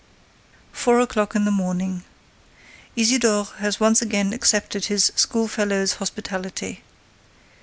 Four o'clock in the morning. Isidore has again accepted his schoolfellow's hospitality.